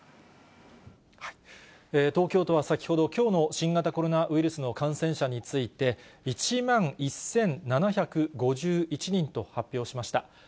東京都は先ほど、きょうの新型コロナウイルスの感染者について、１万１７５１人と発表しました。